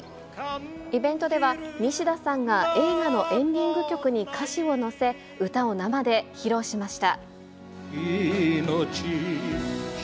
イベントでは、西田さんが映画のエンディング曲に歌詞を乗せ、歌を生で披露しました。